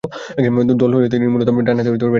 দলে তিনি মূলতঃ ডানহাতে ব্যাটিংয়ে পারদর্শী ছিলেন।